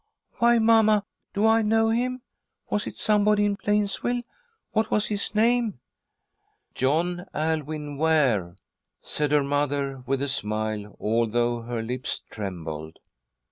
"Why, mamma, do I know him? Was it somebody in Plainsville? What was his name?" "John Alwyn Ware," said her mother, with a smile, although her lips trembled.